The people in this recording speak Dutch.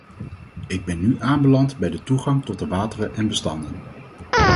Ik ben nu aanbeland bij de toegang tot de wateren en bestanden.